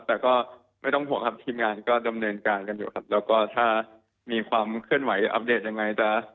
แต่ก็ไม่ต้องห่วงครับทีมงานก็ดำเนินการกันอยู่ครับแล้วก็ถ้ามีความเคลื่อนไหวจะอัปเดตยังไงจะ